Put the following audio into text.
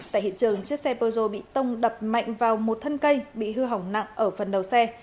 tại hiện trường chiếc xe peugeot bị tông đập mạnh vào một thân cây bị hư hỏng nặng ở phần đầu xe